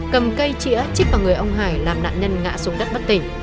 cầm cây chĩa chích vào người ông hải làm nạn nhân ngạ xuống đất bất tỉnh